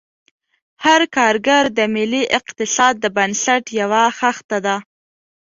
هر کارګر د ملي اقتصاد د بنسټ یوه خښته ده.